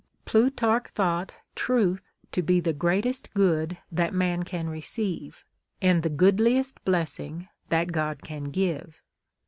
Plutarcli thought " truth to be tlie greatest good that man can receive, and the goodliest blessing that God can give."